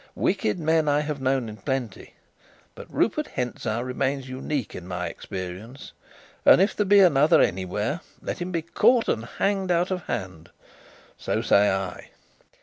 Wicked men I have known in plenty, but Rupert Hentzau remains unique in my experience. And if there be another anywhere, let him be caught and hanged out of hand. So say I!